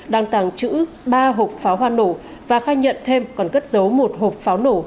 đang tàng trữ ba hộp pháo hoa nổ và khai nhận thêm còn cất giấu một hộp pháo nổ